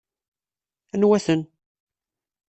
Anwa-ten?